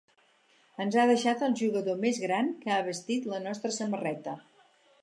Ens ha deixat el jugador més gran que ha vestit la nostra samarreta.